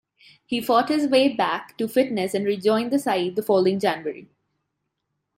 He fought his way back to fitness and rejoined the side the following January.